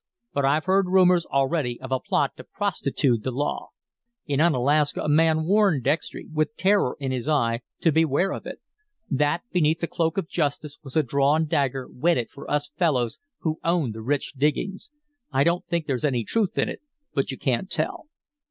But I've heard rumors already of a plot to prostitute the law. In Unalaska a man warned Dextry, with terror in his eye, to beware of it; that beneath the cloak of Justice was a drawn dagger whetted for us fellows who own the rich diggings. I don't think there's any truth in it, but you can't tell."